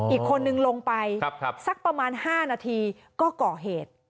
อีกคนนึงลงไปสักประมาณ๕นาทีก็ก่อเหตุ